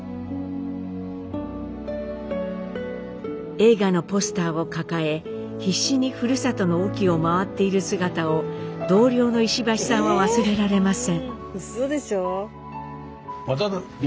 映画のポスターを抱え必死にふるさとの隠岐を回っている姿を同僚の石橋さんは忘れられません。